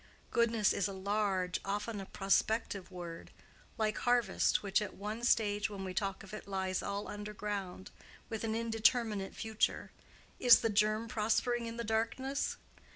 Goodness is a large, often a prospective word; like harvest, which at one stage when we talk of it lies all underground, with an indeterminate future; is the germ prospering in the darkness?